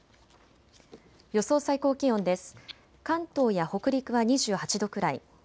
予想最高気温です。